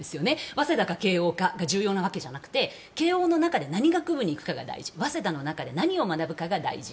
早稲田か慶応かが重要なわけじゃなくて慶應の中で何学部に行くかが大事早稲田の中で何を学ぶかが大事。